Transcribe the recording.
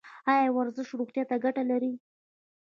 ایا ورزش روغتیا ته ګټه لري؟